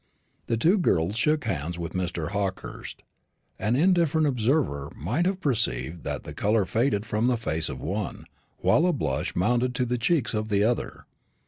The two girls shook hands with Mr. Hawkehurst. An indifferent observer might have perceived that the colour faded from the face of one, while a blush mounted to the cheeks of the other.